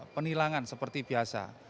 penilangan seperti biasa